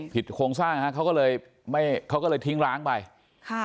โครงสร้างฮะเขาก็เลยไม่เขาก็เลยทิ้งร้างไปค่ะ